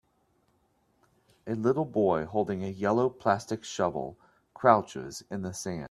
A little boy holding a yellow, plastic shovel, crouches in the sand.